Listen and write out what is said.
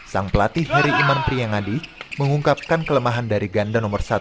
sang pelatih heri iman priyangadi mengungkapkan kelemahan dari ganda nomor satu